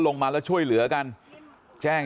วันนี้เราจะมาเมื่อไหร่